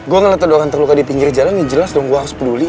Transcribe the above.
gua ngeliat ada orang terluka di pinggir jalan ya jelas dong gua harus peduli